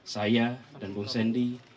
saya dan bung sendi